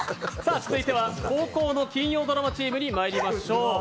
続いては、後攻の金曜チームにまいりましょう。